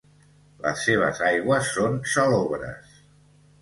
Les seves aigües són salobres.